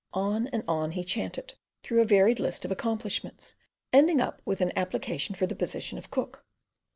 On and on he chanted through a varied list of accomplishments, ending up with an application for the position of cook.